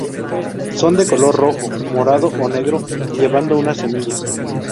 Son de color rojo, morado o negro llevando una semilla.